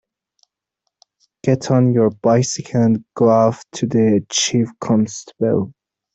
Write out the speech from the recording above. Get on your bicycle and go off to the Chief Constable.